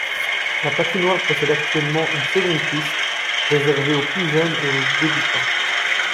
La patinoire possède actuellement une seconde piste réservée aux plus jeunes et aux débutants.